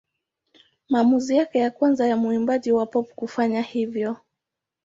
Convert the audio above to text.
Maamuzi yake ya kwanza ya mwimbaji wa pop kufanya hivyo.